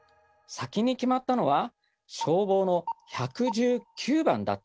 先に決まったのは消防の１１９番だったんです。